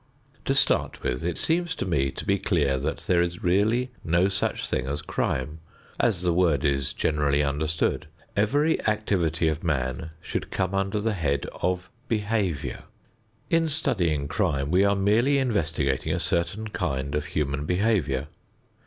To start with: it seems to me to be clear that there is really no such thing as crime, as the word is generally understood. Every activity of man should come under the head of "behavior." In studying crime we are merely investigating a certain kind of human behavior.